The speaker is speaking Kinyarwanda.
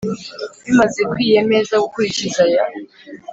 Bimaze kwiye meza gukurikiza aya